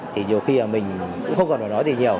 thì nhiều khi mình cũng không còn phải nói gì nhiều